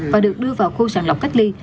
và được đưa vào khu sàn lọc cách ly